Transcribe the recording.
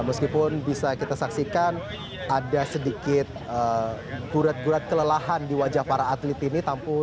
meskipun bisa kita saksikan ada sedikit gurat gurat kelelahan di wajah para atlet ini